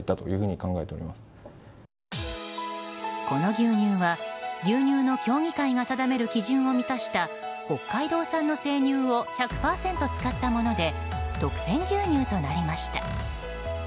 この牛乳は牛乳の協議会が定める基準を満たした北海道産の生乳を１００％使ったもので特選牛乳となりました。